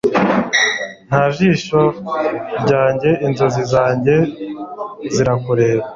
Nta jisho ryanjye inzozi zanjye zirakureba